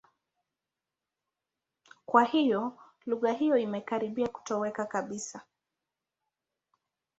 Kwa hiyo, lugha hiyo imekaribia kutoweka kabisa.